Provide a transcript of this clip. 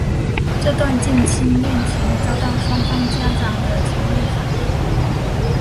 这段近亲恋情遭到双方家长的强烈反对。